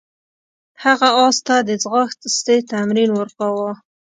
هغه اس ته د ځغاستې تمرین ورکاوه.